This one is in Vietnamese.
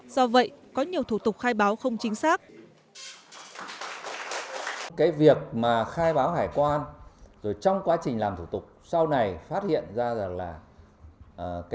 do vậy có nhiều thủ tục khai báo không chính xác